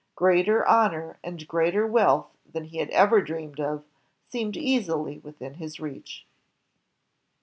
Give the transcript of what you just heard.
Greater honor and greater wealth than he had ever dreamed of seemed easily within his reach.